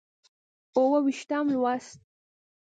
اووه ویشتم لوست